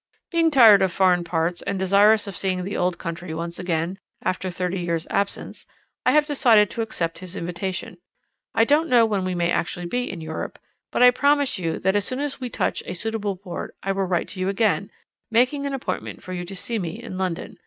Being tired of foreign parts, and desirous of seeing the old country once again after thirty years' absence, I have decided to accept his invitation. I don't know when we may actually be in Europe, but I promise you that as soon as we touch a suitable port I will write to you again, making an appointment for you to see me in London.